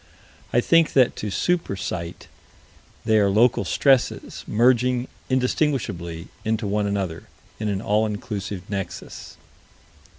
I think that to super sight they are local stresses merging indistinguishably into one another, in an all inclusive nexus.